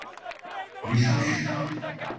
Düşmüş.